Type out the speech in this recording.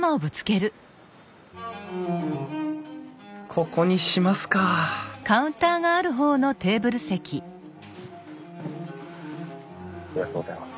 ここにしますかありがとうございます。